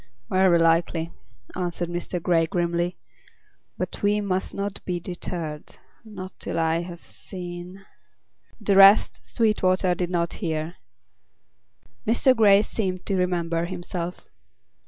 "Very likely," answered Mr. Grey grimly. "But we must not be deterred—not till I have seen—" the rest Sweetwater did not hear. Mr. Grey seemed to remember himself.